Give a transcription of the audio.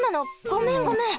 ごめんごめん。